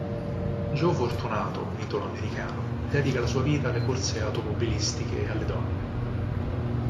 Gio Fortunato, un italo-americano, dedica la sua vita alle corse automobilistiche e alle donne.